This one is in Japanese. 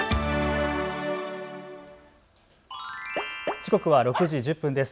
時刻は６時１０分です。